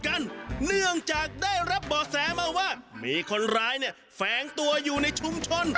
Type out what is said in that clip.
เนื่องจากได้รับบ่อแสมาว่ามีคนร้ายเนี่ยแฝงตัวอยู่ในชุมชน